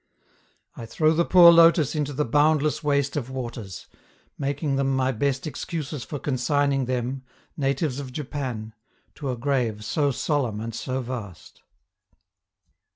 I throw the poor lotus into the boundless waste of waters, making them my best excuses for consigning them, natives of Japan, to a grave so solemn and so vast.